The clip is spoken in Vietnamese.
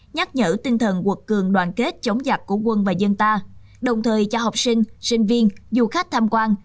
nhắc nhở tinh thần quật cường đoàn kết chống giặc của quân và dân ta đồng thời cho học sinh sinh viên du khách tham quan